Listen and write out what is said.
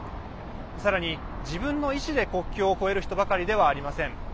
さらに、自分の意思で国境を越える人ばかりではありません。